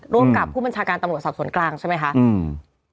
ร่วมกับผู้บัญชาการตำรวจสอบสวนกลางใช่ไหมคะอืม